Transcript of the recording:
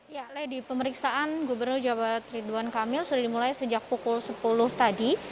ya lady pemeriksaan gubernur jawa barat ridwan kamil sudah dimulai sejak pukul sepuluh tadi